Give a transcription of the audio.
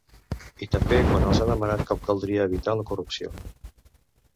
I també quan els han demanat com caldria evitar la corrupció.